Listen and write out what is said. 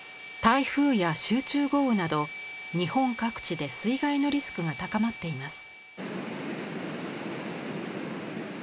台風や集中豪雨など日本各地で水害のリスクが高まっています。